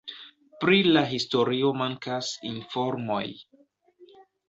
Pri la historio mankas informoj.